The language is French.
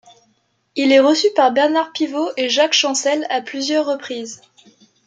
Il est reçu par Bernard Pivot et Jacques Chancel à plusieurs reprises.